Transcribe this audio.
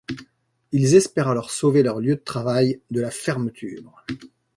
Ils espèrent alors sauver leur lieu de travail de la fermeture.